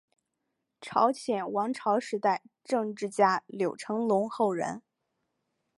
朝鲜王朝时代政治家柳成龙后人。